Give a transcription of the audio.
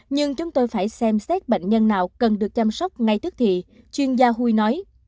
nhưng chúng tôi phải xem xét bệnh nhân nào cần được chăm sóc ngay thức thì chuyên gia hui nói